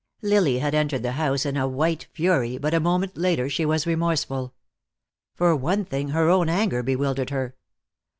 Lily had entered the house in a white fury, but a moment later she was remorseful. For one thing, her own anger bewildered her.